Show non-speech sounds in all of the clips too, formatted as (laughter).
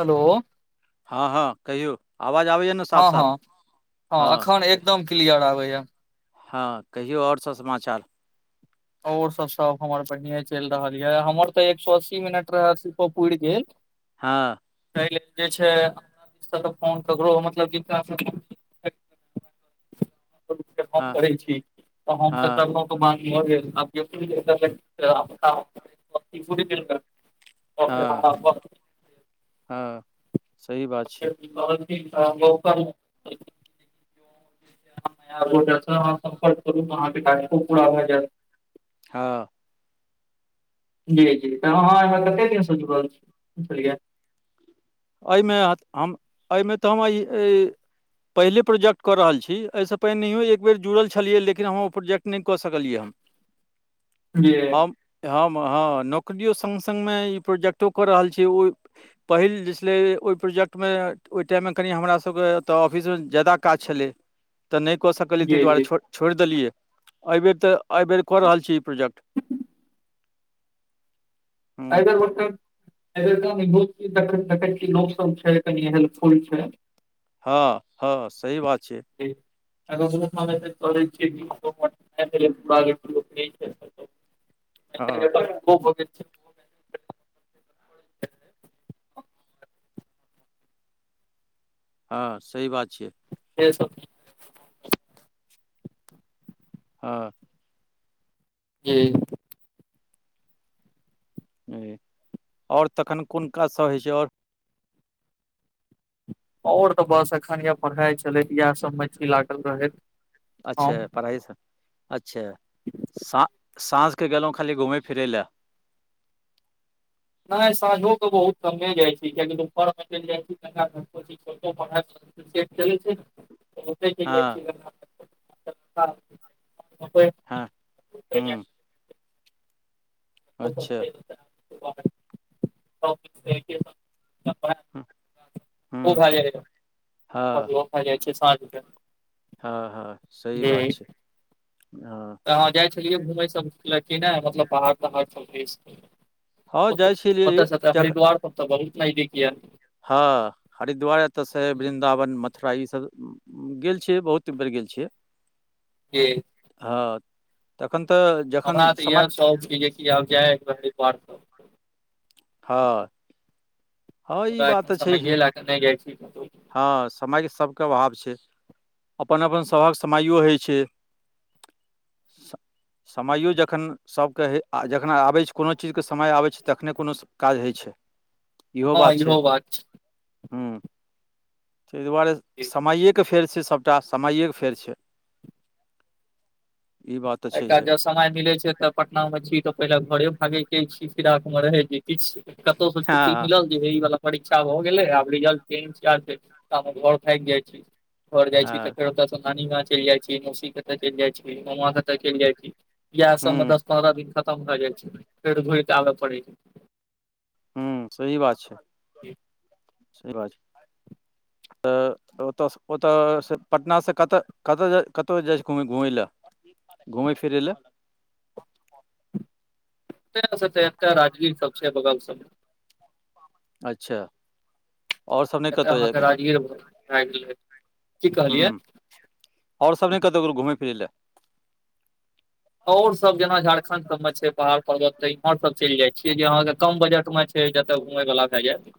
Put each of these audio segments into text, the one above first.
Hello. हँ हँ कहियौ, आवाज आबैये ने। हँ साफ साफ हँ हँ एखन एकदम क्लियर आबैये। हँ कहियौ और सब समाचार। और सब सब हमर बढ़िये चलि रहल ये हमर तऽ एक सौ अस्सी मिनट रहे से त पुरि गेल। हँ। तै लेल जे छै हमरा सबके फोन ककरो मतलब कि वास रुकि के बात हँ करै छी तऽ हम हँ त केलहुं। हँ (unintelligible) (unintelligible) हँ सही बात छै। बती बहुप (unintelligible) एयपोर्टल से अहाँ सम्पर्क करू अहाँके टास्को पूरा भए जायत। हँ। जी जी तऽ अहाँ एहिमे कते दिनसँ जुड़ल छी, बुझलियै। एहिमे एहिमे तऽ हम ऐ पहिले प्रोजेक्ट क रहल छी, ऐसे पहिनैयो एक बेर जुड़ल छलियै लेकिन हम ओ प्रोजेक्ट नहि कऽ सकलियै जी हम हम हम हँ नौकरियो सङ्ग सङ्गमे ई प्रोजेक्टो कऽ रहल छी ओ पहिल जे नै ओहि प्रोजेक्टमे ओहि टाइममे कनि हमरा सबके एतऽ ऑफिसमे जादा काज छलै। तऽ नहि कऽ सकलियै जी ताहि जी दुआरे एहि छोड़ि देलियै एहिबेर तऽ एहिबेर कऽ रहल छी ई प्रोजेक्ट। हुँ एहिबेर ओते एहिबेर कनि नव सन छै कनि हेल्पफुल छै। हँ हँ सही बात छै। दल जे (unintelligible) (inaudible) हँ ख (unintelligible) हँ सही बात छै। के सब। हँ। जी कहै आओर तखन कोन काज सब होइ छै आओर आओर तऽ बस एखन यए पढ़ाइ छलैत इएहसभमे छी लागल रहैत हम अच्छा पढ़ाइ स अच्छा सा साँझके गेलहुँ खाली घुमय फिरय लए नहि साँझो कऽ बहुत कमे जाइ छै कियाकि दूपहरमे चलि जाइ छी सेट चलै छै हँ ओहो हँ हुँ (unintelligible) अच्छा (unintelligible) तहन ओ भए जाइ हे आओर ब्लोक भए जाइ छै साँझ के हँ हँ सही बात जी छै हँ तऽ अहाँ जाइ छलियै घुमै सब लै की नहि मतलब बाहर तहाड़ सब दिस हँ ओत जाइ ओत छलियै स तऽ जख हरिद्वार पत (unintelligible) हँ हरिद्वार एतऽ से वृन्दावन मथुरा ई सब‌। गेल छियै बहुत बेर गेल छियै। जी। हँ तखन तऽ। हमरा जखन तऽ समय इएह शौक छै जेकि आब जाय (unintelligible) घर त। हँ। हँ ई मुदा बात तऽ छैहे समय ल क नहि जाय छथिन। हँ समयके सबके अभाव छै। अपन अपन सभहक समाईयो होइ छै। समयो जखन सबके होइ जखन आबै छै कोनो चीजके समय आबै छै तखने कोनो। काज होइ छै इहो बात छै हम्म। ताहि दुआरे छै समइएके फेर छै सभटा समइएके फेर छै। ई बात तऽ एकटा छैहे जब समय मिलै छै तऽ पटना में छी तऽ पहिले घरे भागे के छी फिराक मे रहै छी। किछ कतहु स छुट्टी हँ मिलत। जेई वला परीक्षा भए गेलै आब रिजल्टके इन्तजार कल मे घर भागि जाइ छी। घर जाइ छी तऽ हँ फेर ओतयसँ नानी गाँव चलि जाइ छी मौसी ओतय चलि जाइ छी मामा ओतय चलि जाइ छी। इएह सबमे हूँ दस पन्द्रह दिन खतम भए जाइ छै फेर घुरिके आबय पड़ै छै। हू सही बात छै। सही बात छै तऽ। तऽ ओतय-ओतयसँ पटनासँ कतय- कतय- कतह जाइ छै घूमय लए। घुमै फिरै लए। एकटा राजगीर सब छै बगल सबमे। (unintelligible) अच्छा। आओर सब नहि एतय कतहु अहाँके गेलहुँ राजगीर बहुत प्राचीन हई (unintelligible) की कहलियै। आऔर सब नहि कतो गेलौ घुमै फिरैय लए। अऔर सब जेना झारखंड सब में छै पाड़ पर्वत त इमहर सब चलि जाय छीेयै जे अहाँ के कम बजट में छै। फेर जतऽ घुमयवला भए जायत।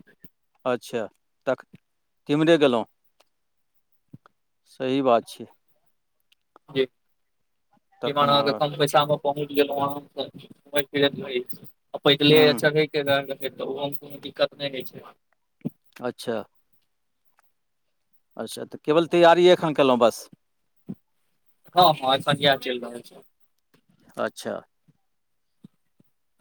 अच्छा तख तिम्हरे गेलहुँ सही बात छै। जी ईमहर तखन एलौ तऽ अ, कम पैसा मे। पहुँच गेलो आ हमहू सब। (unintelligible) फिर पैदले आ हूँ चलबै केदारनाथ नहि तऽ ओहो मे कोनो दिक्कत नहि होइ छै। अच्छा। अच्छा तऽ केवल तैयारिये एखन केलौ बस। हां-हां एखन याह चैल रहल छै। अच्छा।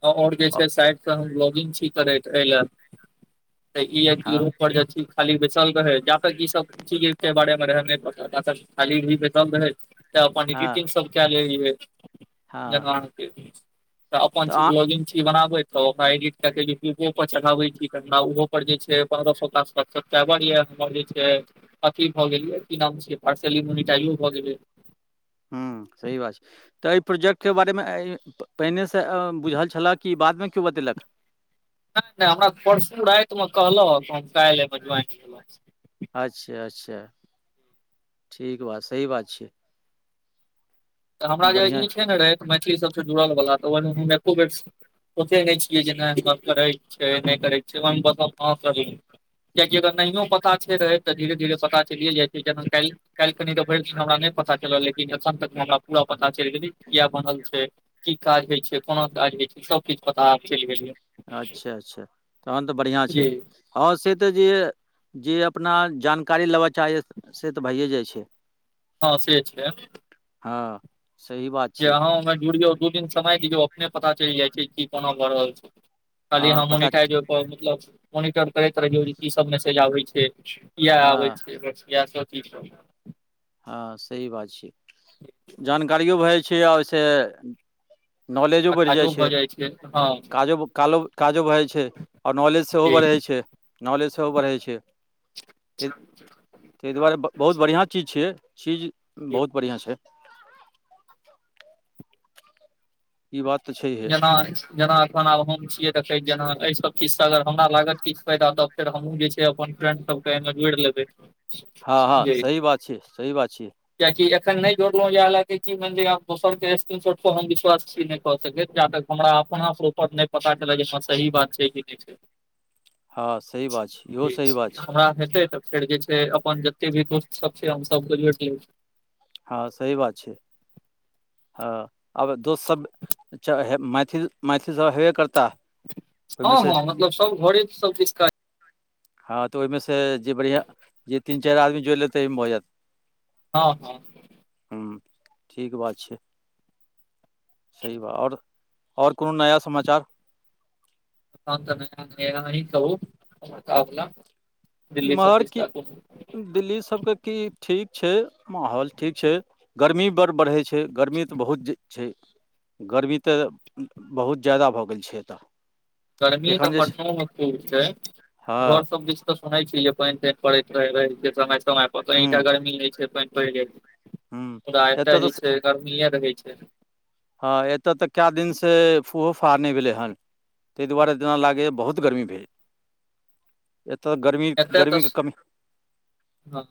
और जे अ, छै साइड से हम ब्लॉगिंग छी करैत अय लै। तऽ ई याए कि हँ इहो पर (unintelligible) खाली बेसल रहै जा तक ई सब चीज के बारे मे रहै नै पता ता तक खाली भी बेसल रहै। ताए अपन हँ इडीटिंग सब काए लै रिहै हँ जना कि अपन तऽ छी, अहाँ ब्लॉगिंग छी बनाबै। तऽ ओकरा इडिट काए के यूट्यूबो पर चढ़ाबै छी त हमरा उहो पर जे छै पन्द्रह सौ (unintelligible) टाबर या (unintelligible) जे छै अथी भ गेलया की नाम छिये पार्सली मोनिटाइजो भ गेलै। हुं सही बात छै। तऽ ए प्रोजेक्ट के बारे मे ए इ पहिने से अ बुझल छला कि बादमे कियो बतेलक। नै-नै हमरा परसु राएत मे कहलक हम काएल एबै (unintelligible) अच्छा-अच्छा ठीक बात, सही बात छै। तऽ हमरा जे बढ़िआँ ई छै नै (unintelligible) मैथिली सबसे जुड़ल वला तऽ ओय मे हम एको बेर ओे ते नै छियै जे नै गप्प करै के छै नै करै छै, ओय मे बस हम हां करलिये। कियाएकि अगर नहियो पता छै रहैत त धीरे-धीरे पता चलिये जाएतै जेना काएल काएल कनि तऽ भैर दिन हमरा नै पता चलल, लेकिन एखन तक हमरा पूरा पता चैल गेलै किया बनल छै। की काज होय छै, कोना काज होय छै, सब किछ पता आब चैल गेल या। अच्छा-अच्छा तहन तऽ बढ़ियाँ छै जी हाँ से तऽ जे जे अपना जानकारी लेबा चाहे से तऽ भाइये जाय छै। हाँ से छैै। हाँ। सही बात के अहाँ ओमे जुड़ियौ दू दिन समय दियौ अपने पता चैल जाय छै की कोना भऽ रहल छै। खाली हँ अहाँ पता छै। मोनिटाइज ओ पर मतलब मोनिटर करैत रहियौ जे कि सब मैसेज आबै छै। किया आबै हँ छै, बस याएह सब चीज पर हाँ सही बात छै, जानकारियो भाए जाय छै आ ओय से नॉलेजो बैढ़ जाय काजो भऽ छै। जाइ हँ काजो-कालो-काजो भाए जाय छै और नॉलेज सेहो जी बढ़ै छै। नॉलेज सेहो बढ़ै छै। ताहि (unintelligible) छिये, चीज जी बहुत बढ़ियां छै। ई बात तऽ छै। जना, जना अखन आब हम छियै देखैत जेना ए सब चीज से अगर हमरा लागत किछ फायदा तब फेर हमु जे छै अपन फ्रेंड सब के ए मे जोड़ लेबै। हाँ-हाँ सही बात छी, सही बात छी। कियाएकि एखन नै जोड़लौ इहाए लाय के कि मैन लियो आब दोसर के स्क्रीनशॉट पर हम विश्वास छी नै कऽ सकैत जा तक हमरा अपना से ऊपर नै पता चलत जे हाँ सही बात छै कि नै छै। हँ सही बात जी छै इहो सही बात छै हमरा हेतै तऽ फेर जे छै अपन जते भी दोस्त सब छै हम सबके जोएड़ लेब। हाँ सही बात छै। हाँ आब दोस सब चे हे मैथिल, मैथिल सब हेबे करता। हाँ-हाँ मतलब सब घरे सब दिसका हाँ तऽ ओहिमे से जे बढ़िया जे तीन चारि आदमी जोड़ि लेतै ओहिमे भऽ जायत हाँ हाँ हूं ठीक बात छै सही बात और और कोनो नया समाचार हम (unintelligible) कहू अपना इम्हर की दिल्ली सबके की ठीक छै माहौल ठीक छै। गर्मी बड़ बढ़ै छै गर्मी तऽ बहुत ज छै गर्मी तऽ बहुत ज्यादा भऽ गेल छै एतय गर्मी तऽ पटनो मे खुब छै हँ घर सब तऽ सुनै छी जे पानि तानि पड़ैत रहै समय समय पर हूँ अहींटा गर्मी नै छैय पानि पड़ि जाइ छै (unintelligible) हूँ मुदा एतय एतऽ जे तऽ छैय गर्मीए रहै छै हाँ एतऽ तऽ कए दिनसे फूहो फाह नै भेलै हन ताहि दुआरे जेना लागैए बहुत गर्मी भेल एतऽ गर्मी गर्मी के कमी हाँ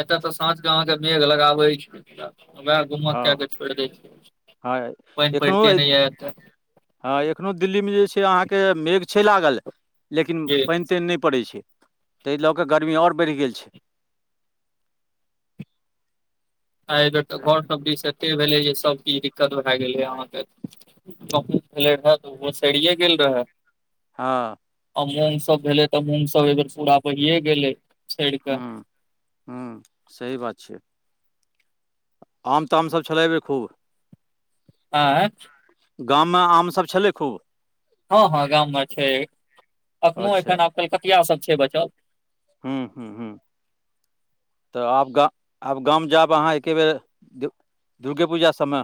एतऽ साँझ के अहाँ के मेघ लगाबै छै उमस कए हँ के छोड़ दै छै हँ पानि पड़िते नहि य एतै हाँ एखनो दिल्ली मे जे छै अहाँके मेघ छै लागल लेकिन जी पानि तानि नहि पड़ै छै ताहि लऽ कऽ गर्मी आऔर बढ़ि गेल छै आ एहि बेर तऽ घर सब दि एते भेलै जे सब चीज दिक्कत भए गेलै अहाँके गहूम रहे तऽ ओ सरिये गेल रहे (unintelligible) हाँ आ मूँग सब भेलै तऽ मूँग सब अहिबेर पूरा बहिए गेलै सड़ि कऽ हूं हूं सही बात छै। आम तामसभ छलै एहिबेर खूब आंय गाममे आम सभ छलै खूब हँ हँ गाममे छै अखनो अच्छा एखन आब कलकतिया सब छै बचल हू हू हूँ तऽ आब गा आब गाम जायब अहाँ एकेबेर दुर्गे पूजा सबमे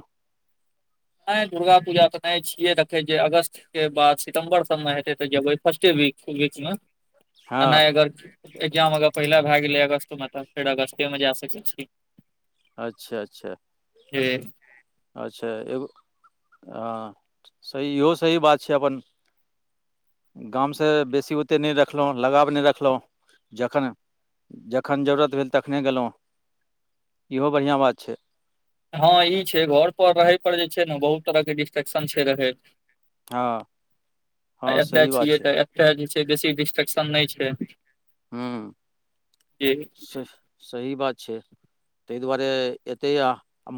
नहि दुर्गा पूजा तऽ नहि छियै देखैत जे अगस्त के बाद सितम्बर सबमे हेतै तऽ जेबै फर्स्टे वि- वीक मे हँ आ नहि अगर एग्जाम अगर पहिल भए गेलै अगस्तमे तऽ फेर अगस्तेमे जा सकै छी अच्छा अच्छा जी अच्छा एगो हँ सही इहो सही बात छै अपन गामसँ बेसी ओते नहि रखलहुँ लगाव नहि रखलहुँ जखन जखन जरूरत भेल तखने गेलहुँ इहो बढ़िआँ बात छै हँ ई छै घर पर रहै पर जे छै ने बहुत तरहके डिस्ट्रेक्शन छै रहैत हँ आ हँ एतय सही बात छियै छै तऽ ए तऽ जे छै बेसी डिस्ट्रेक्शन नहि छै ह्म जे स-सही बात छै ताहि दुआरे एतै आ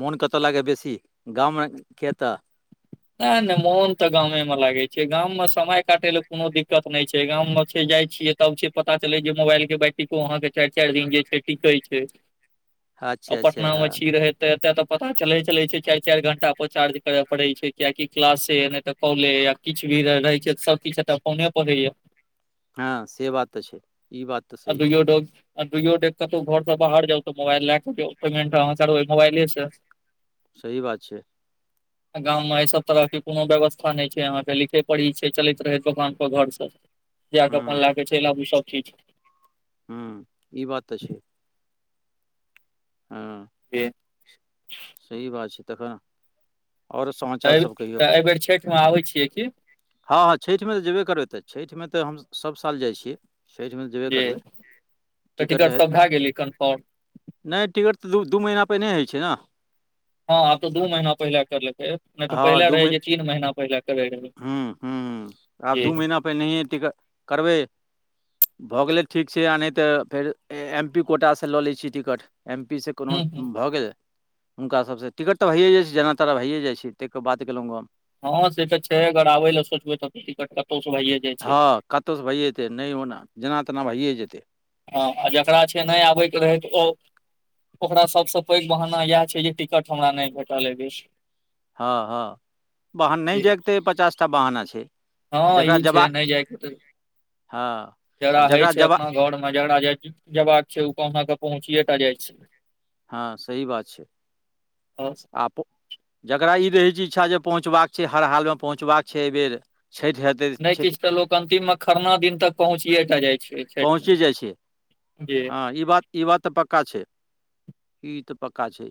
मोन कतऽ लागैया बेसी गामके की एतऽ नहि नहि मोन तऽ गामे मे लागै छै गाममे समय काटय ले कोनो दिक्कत नहि छै गाम मे छै जाइ छियै तब छै पता चले जे मोबाइल के बैटिको अहाँ के चारि चारि दिन जे छै टिकै छै (inaudible) और अच्छा अच्छा पटना मे हँ छी रहैत। ते एते ते पता चले चले छै चारि चारि घंटा पर चार्ज करय पड़े छै। कियाकि क्लासे, नहि तऽ कॉले या किछु भी रहै छै सबकुछ फोने पर होइये हँ से बात तऽ छै ई बात तऽ आ सही छै। दुइयो डोग आ दुइयो गोटे कतौ घर से बाहर जाउ त मोबाइल लय के पेमेंट अहां करबै मोबाइले से। सही बात छै। गाँवमे। सब तरहके कोनो व्यवस्था नहि छै अहाँके लिखे पढ़ी छै चलैत रहै दोकान पर घर से जा के हूँ अपन लै के चलि आबू सब चीज हं ई बात त छै। हँ। जी। सही बात छै, तखन आओर समाचार तऽ सब कहियौ एहिबेर छठिमे आबै छियै की? हँ हँ छठिमे तऽ जेबे करबै तऽ, छठिमे तऽ हम सभ साल जाइ छियै। छठिमे तऽ जेबे जी, करबै त टिकट सब भए गेलै कन्फर्म। नहि टिकट तऽ दू दू महीना पहिने होइ छै ने। हँ आब त दू महीना पहिले करलकै। नहि तऽ हँ पहिले दू रहै मही जे तीन महिना पहिले करै रहै, जी। पहिनैये टिकट करबै। भऽ गेलै ठीक छै आ नहि तऽ फेर एम पी कोटासँ लऽ लै छियै टिकट एम पी सँ कोनो हूँ हूँ भऽ गेल हुनका सबसँ, टिकट तऽ भइए जाइ छै जेना तेना भइए जाइ छै। तै के बात केलहुं। हँ से तऽ छै अगर आबै ले सोचबै तऽ टिकट कतहु भैये हँ कतहुसँ भैए जेतै नहि ओना, जेना तेना भैए जेतै। हँ आ जकरा छै नहि आबयके रहै तऽ ओ ओकरा सबसँ पैघ बहाना इएह छै जे टिकट हमरा नहि भेटल एहि बेर। हँ हँ बहाना, नहि जी। जायके ते पचास टा बहाना छै। हँ जकरा ई छै जबाक नहि जायके त हँ। आ जकरा होय छै अपना जबाक घरमे, जकरा जाइके जेबाक छै ओ कहुनाक पहुँचिये टा जाइ छै। हँ सही बात छै। और। आप जकरा ई रहै छै इच्छा जे पहुँचबाक छै हर हालमे पहुँचबाक छै एहि बेेर छठि हेतै नहि छठि किछ तऽ लोक अन्तिममे खरना दिन तक पहुँचिये टा जाइ छै छठिमे, पहुँचे जाइ छै जी। हँ ई बात ई बात तऽ पक्का छै। ई तऽ पक्का छै,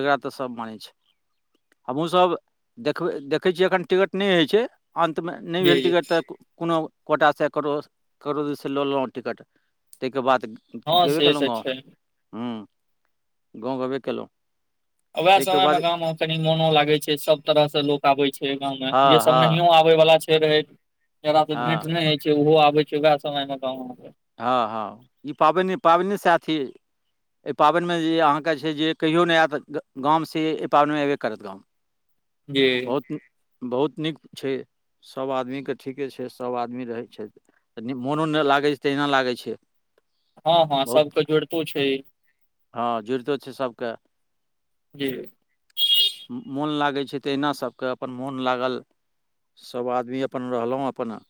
एकरा तऽ सब मानै छै। हमहूँ सभ देखबै देखै छियै एखन टिकट नहि होइ छै अन्तमे नहि जी भेल जी टिकट तऽ कोनो कोटासँ ककरो ककरो दिससँ लऽ लेलहुँ टिकट ताहिके बाद हँ गेबे से केलहुँ तऽ गाँव, छै गाँव गेबे केलहुँ। वैह ताहिके समय में बाद गांव में कनि मोनो लागे छै सब तरह से लोक आबै छै गाँंवं मे, हँ जे सब हँ नहियो आ आबै वला छै रहे, जकरा से भेंट हँ नहि होय छै ओहो आबै छै वैह समय मे गाँव हँ हँ ई पाबनि पाबनिये सैह छियै। एहि पाबनिमे जे अहाँके छै जे कहियो नहि आयत गाम, से एहि पाबनिमे एयबे करत। जी बहुत- बहुत नीक छिय। सभ आदमीके ठीके छै, सभ आदमी रहै छै, मोनो तहिना लागै छै। हँ- हँ, बहुत सभके जोड़ितो छै। हँ, जुड़ितो छै सबके। जी मोन लागै छै, तहिना सभके अपन मोन लागल सब आदमी अपन रहलहुँ, अपन